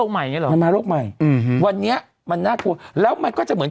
อันนี้มาโรคใหม่มันมาโรคอืมครับวันนี้มันน่ากลัวแล้วมันก็จะเหมือน